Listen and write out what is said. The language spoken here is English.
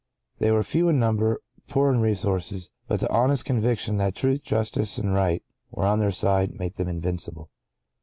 —They were few in number—poor in resources; but the honest conviction that Truth, Justice, and Right were on their side, made them invincible.